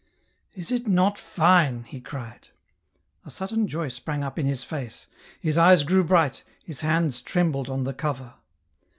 " Is it not fine ?" he cried. A sudden joy sprang up in his face ; his eyes grew bright, his hands trembled on the cover.